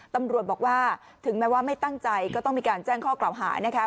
ตำรวจบอกว่าถึงแม้ว่าไม่ตั้งใจก็ต้องมีการแจ้งข้อกล่าวหานะคะ